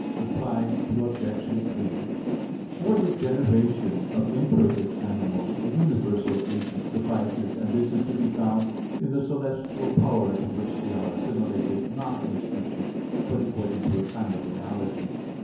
Reply Obj. 3: For the generation of imperfect animals, a universal agent suffices, and this is to be found in the celestial power to which they are assimilated, not in species, but according to a kind of analogy.